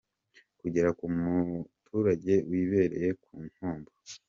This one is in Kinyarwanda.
kugera ku muturage wibereye ku Nkombo.